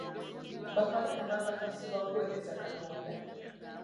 Ba Kabona bakakasibwa kuweereza Katonda.